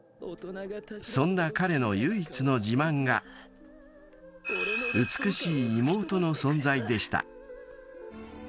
［そんな彼の唯一の自慢が美しい妹の存在でした］